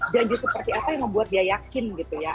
janji seperti apa yang membuat dia yakin gitu ya